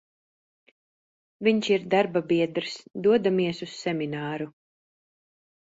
Vinš ir darbabiedrs, dodamies uz semināru.